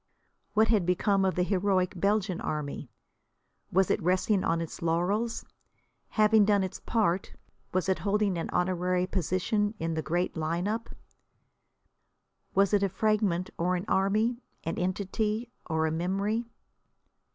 What had become of the heroic Belgian Army? Was it resting on its laurels? Having done its part, was it holding an honorary position in the great line up? Was it a fragment or an army, an entity or a memory?